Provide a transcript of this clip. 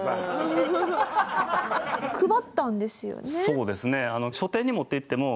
そうですね。